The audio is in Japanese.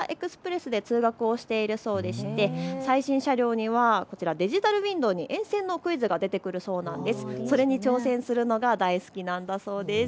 紗月さんはつくばエクスプレスで通学をしているそうでして最新車両にはデジタルウインドーに沿線のクイズが出てくるそうなんです。